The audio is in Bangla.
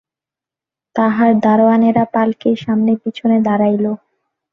তাহার দারোয়ানেরা পালকির সামনে পিছনে দাড়াইল।